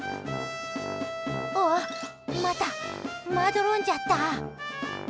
ああっまた、まどろんじゃった。